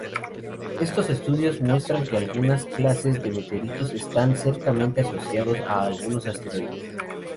Estos estudios muestran que algunas clases de meteoritos están cercanamente asociados a algunos asteroides.